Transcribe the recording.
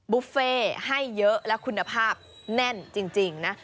บุฟเฟ่ให้เยอะและคุณภาพแน่นจริงนะ